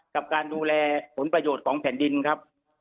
กับการดูแลผลประโยชน์ของแผ่นดินครับ